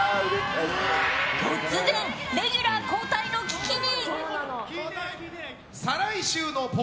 突然レギュラー交代の危機に！